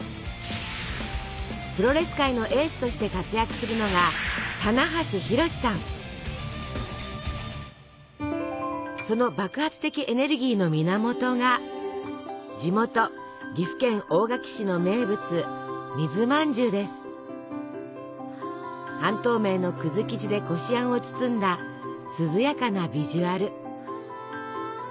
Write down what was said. プロレス界のエースとして活躍するのがその爆発的エネルギーの源が地元岐阜県大垣市の名物半透明の生地でこしあんを包んだ涼やかなビジュアル。